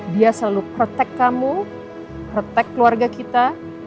dia selalu protect kamu protect keluarga kita